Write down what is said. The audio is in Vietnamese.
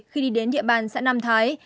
khi đi đến địa bàn xã nam thái